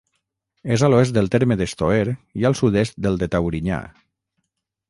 És a l'oest del terme d'Estoer i al sud-est del de Taurinyà.